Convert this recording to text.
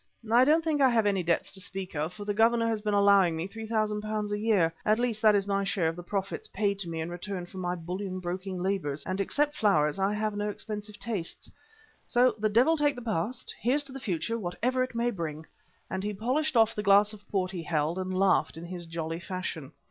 I don't think I have any debts to speak of, for the Governor has been allowing me £3,000 a year, at least that is my share of the profits paid to me in return for my bullion broking labours, and except flowers, I have no expensive tastes. So the devil take the past, here's to the future and whatever it may bring," and he polished off the glass of port he held and laughed in his jolly fashion.